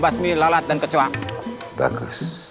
tidak ada yang tahu